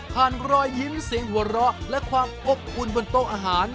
รอยยิ้มเสียงหัวเราะและความอบอุ่นบนโต๊ะอาหาร